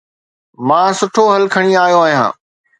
مان سٺو حل کڻي آيو آهيان